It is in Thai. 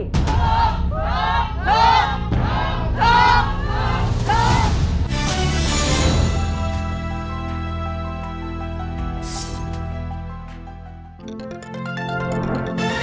ชอบชอบชอบชอบ